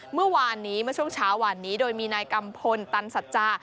เมื่อวานนี้เมื่อช่วงเช้าวันนี้โดยมีนายกัมพลตันสัจจา